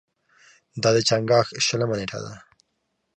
دا د چنګاښ شلمه نېټه ده.